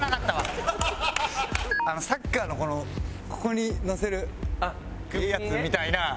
サッカーのこのここに乗せるやつみたいな雰囲気ね。